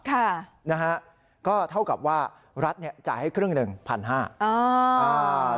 ค่ะนะฮะก็เท่ากับว่ารัฐเนี่ยจ่ายให้ครึ่งหนึ่งพันห้าอ่า